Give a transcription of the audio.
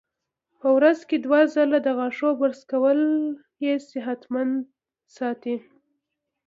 په ورځ کې دوه ځله د غاښونو برش کول یې صحتمند ساتي.